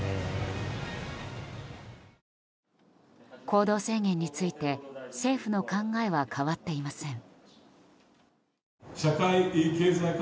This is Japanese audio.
行動制限について政府の考えは変わっていません。